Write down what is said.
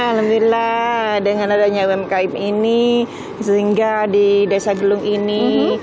alhamdulillah dengan adanya umkm ini sehingga di desa gelung ini